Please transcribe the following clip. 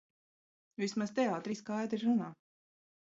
Vismaz teātrī skaidri runā.